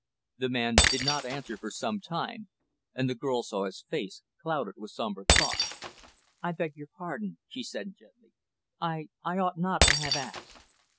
The man did not answer for some time, and the girl saw his face clouded with somber thought. "I beg your pardon," she said gently. "I I ought not to have asked."